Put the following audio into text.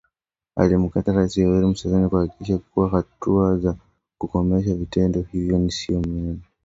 Akimtaka Rais Yoweri Museveni kuhakikisha kuna hatua za kukomesha vitendo hivyo na sio maneno pekee